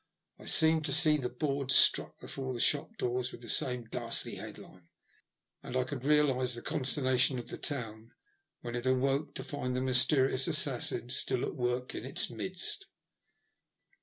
I seemed to see the boards stuck before shop doors with the same ghastly headline, and I could realise the consternation of the town, when it awoke to find the mysterious assassin still at work in its midst.